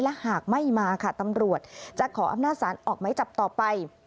และหากไม่มาค่ะตำรวจจะขออำนาจสารออกไม้จับต่อไป